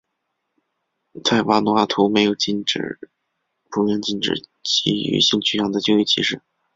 在瓦努阿图没有普遍禁止基于性取向的就业歧视。